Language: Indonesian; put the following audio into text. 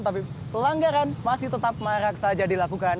tapi pelanggaran masih tetap marak saja dilakukan